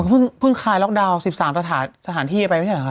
พึ่งคลายล็อกดาวน์๑๓สถานที่ไปไหมคะ